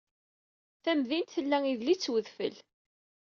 Tamdint tella idel-itt wedfel.